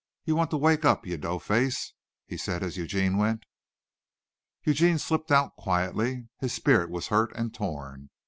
You want to wake up, you dough face," he said as Eugene went. Eugene slipped out quietly. His spirit was hurt and torn.